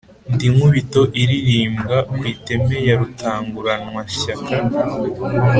Ndi Nkubito ilirimbwa ku iteme ya Rutanguranwashyaka,